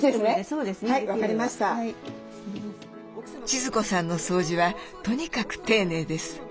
千壽子さんの掃除はとにかく丁寧です。